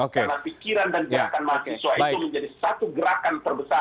karena pikiran dan gerakan mahasiswa itu menjadi satu gerakan terbesar